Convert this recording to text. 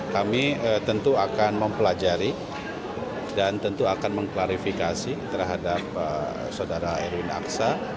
kami tentu akan mempelajari dan tentu akan mengklarifikasi terhadap saudara erwin aksa